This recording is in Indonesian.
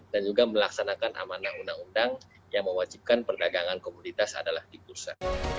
dan juga melaksanakan amanah undang undang yang mewajibkan perdagangan komoditas adalah di bursa